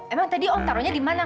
emang tadi om taruhnya di mana